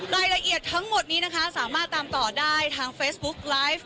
รายละเอียดทั้งหมดนี้นะคะสามารถตามต่อได้ทางเฟซบุ๊กไลฟ์